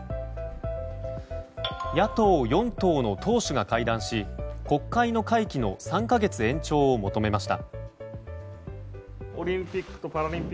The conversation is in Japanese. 野党４党の党首が会談し国会の会期の３か月延長を求めました。